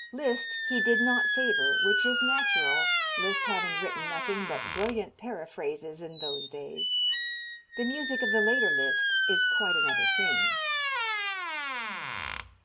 Liszt he did not favor, which is natural, Liszt having written nothing but brilliant paraphrases in those days. The music of the later Liszt is quite another thing.